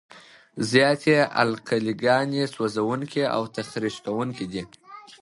زیاتې القلي ګانې سوځونکي او تخریش کوونکي دي.